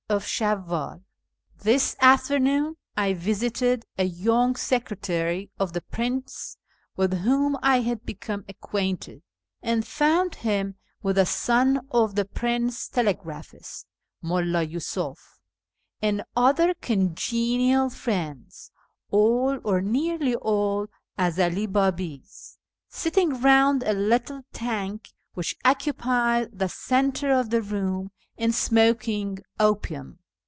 — This afternoon I visited a young secretary of the prince's with whom I had become acquainted, and found him with the son of the prince telegraphist, Mullii Yi'isuf, and other congenial friends (all, or nearly all, Ezeli Biibis) sitting round a little tank which occupied the centre of the room, and smoking opium.